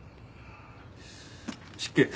失敬。